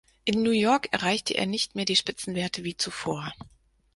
In New York erreichte er nicht mehr die Spitzenwerte wie zuvor.